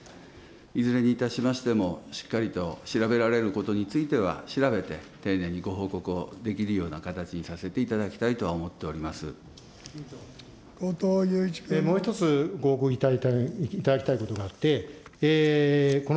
いずれにいたしましても、しっかりと調べられることについては調べて、丁寧にご報告をできるような形にさせていただきたいとは思ってお後藤祐一君。